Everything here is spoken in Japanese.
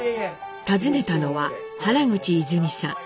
訪ねたのは原口泉さん。